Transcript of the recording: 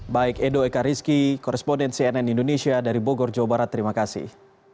baik edo ekariski koresponden cnn indonesia dari bogor jawa barat terima kasih